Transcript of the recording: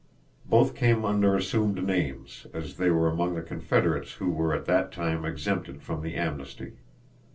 Both came under assumed names, as they were among the Confederates who were at that time exempted from the amnesty.